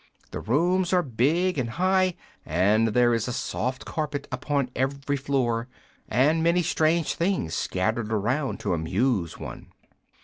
The rooms are big and high, and there is a soft carpet upon every floor and many strange things scattered around to amuse one.